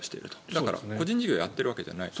だから、個人事業をやっているわけではない。